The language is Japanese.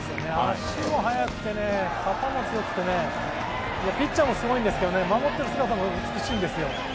足が速くて、肩も強くてピッチャーもすごいんですけど、守っている姿も美しいんですよ。